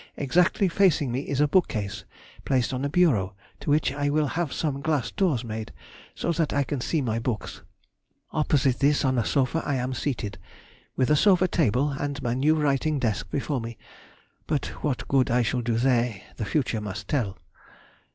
Exactly facing me is a bookcase placed on a bureau, to which I will have some glass doors made, so that I can see my books. Opposite this, on a sofa, I am seated, with a sofa table and my new writing desk before me, but what good I shall do there the future must tell.